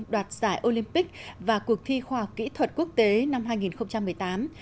đoạt giải olympic và cuộc thi khoa học kỹ thuật quốc tế năm hai nghìn một mươi tám